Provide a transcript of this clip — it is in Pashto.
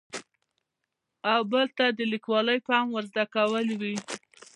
او بل که د لیکوالۍ فن زده کول وي.